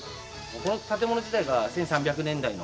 この建物自体が１３００年代の。